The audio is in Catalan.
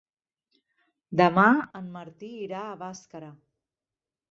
Demà en Martí irà a Bàscara.